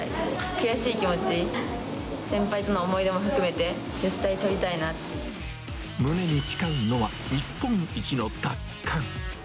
悔しい気持ち、先輩との思い出も胸に誓うのは、日本一の奪還。